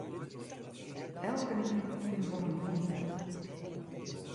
Elkenien ken wol in Wybe.